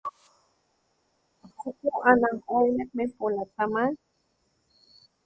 Tuku anakgoy nal nak min pulataman